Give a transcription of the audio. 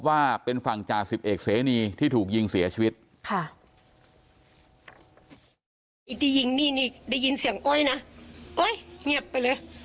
ไอ้หน้าหนี้ไปเลย